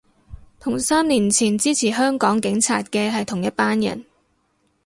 同三年前支持香港警察嘅係同一班人